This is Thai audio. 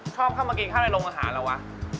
ชอบเข้ามากินข้าวในโรงอาหารเหรอวะ